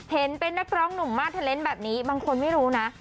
เห็นเป็นนักร้องหนุ่มมาสเทอร์เลนส์แบบนี้บางคนไม่รู้นะ